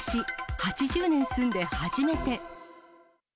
８０年住んで初めて。